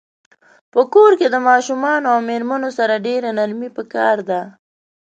په کور کښی د ماشومانو او میرمنو سره ډیره نرمی پکار ده